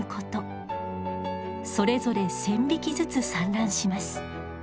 それぞれ１，０００匹ずつ産卵します。